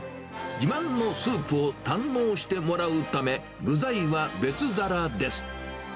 自慢のスープを堪能してもらうため、具材は別皿です。